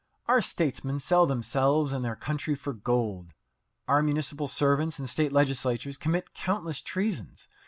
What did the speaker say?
Our statesmen sell themselves and their country for gold. Our municipal servants and state legislators commit countless treasons.